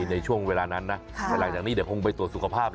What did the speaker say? ในช่วงเวลานั้นนะหลังจากนี้เดี๋ยวคงไปตรวจสุขภาพ